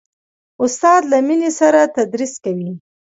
استاد له مینې سره تدریس کوي.